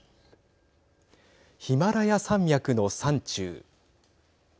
ヒマラヤ山脈の山中。